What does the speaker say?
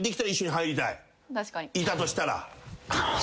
いたとしたら。